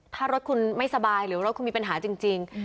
ถ้ารถคุณไม่สบายหรือรถคุณมีปัญหาจริง